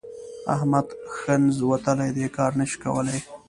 د احمد ښنځ وتلي دي؛ کار نه شي کولای.